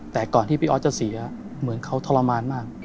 แต่ก่อนที่พี่ออสจะเสียเหมือนเขาทรมานมาก